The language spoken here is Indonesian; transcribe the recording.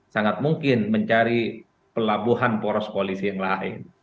sangat mungkin mencari pelabuhan poros koalisi yang lain